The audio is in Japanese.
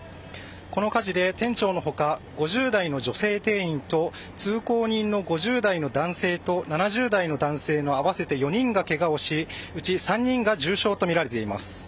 この火事で店長の他５０代の女性店員と通行人の５０代の男性と７０代の男性の合わせて４人がけがをしうち３人が重傷とみられています。